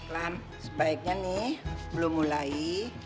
lah sebaiknya nih belum mulai